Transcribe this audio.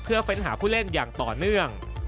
เพื่อเฟ้นหาผู้เล่นอย่างต่อเนื่อง